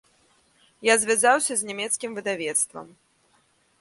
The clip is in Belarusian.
Я звязаўся з нямецкім выдавецтвам.